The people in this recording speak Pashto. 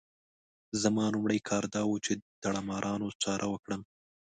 زما لومړی کار دا وو چې د داړه مارانو چاره وکړم.